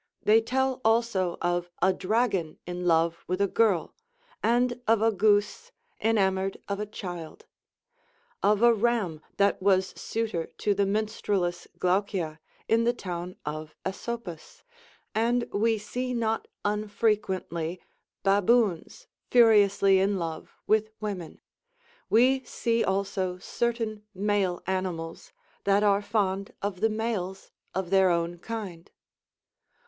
They tell also of a dragon in love with a girl, and of a goose enamoured of a child; of a ram that was suitor to the minstrelless Glaucia, in the town of Asopus; and we see not unfrequently baboons furiously in love with women. We see also certain male animals that are fond of the males of their own kind.